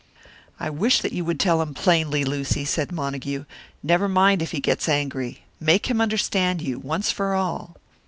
"I wish that you would tell him plainly, Lucy," said Montague. "Never mind if he gets angry. Make him understand you once for all."